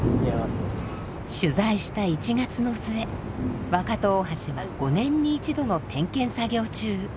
取材した１月の末若戸大橋は５年に１度の点検作業中。